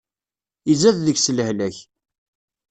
Izad deg-s lehlak.